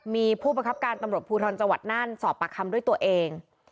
มีผู้บังคับการตำรวจภูทรจังหวัดน่านสอบปากคำด้วยตัวเอง